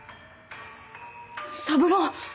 三郎！